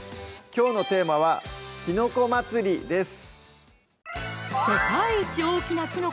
きょうのテーマは「きのこ祭り」です